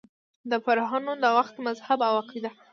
د فرعنوو د وخت مذهب او عقیده :